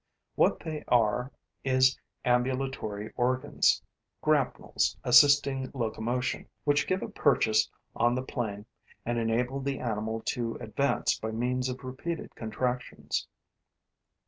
What they are is ambulatory organs, grapnels assisting locomotion, which give a purchase on the plane and enable the animal to advance by means of repeated contractions.